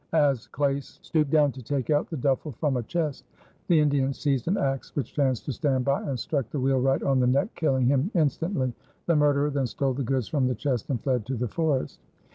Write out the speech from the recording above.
As Claes stooped down to take out the duffel from a chest, the Indian seized an axe which chanced to stand near by and struck the wheelwright on the neck, killing him instantly. The murderer then stole the goods from the chest and fled to the forest.